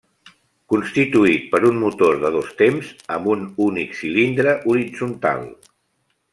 Constituït per un Motor de dos temps amb un únic cilindre horitzontal.